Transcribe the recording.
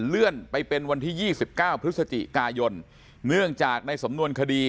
เลื่อนไปเป็นวันที่๒๙พฤศจิกายนเนื่องจากในสำนวนคดี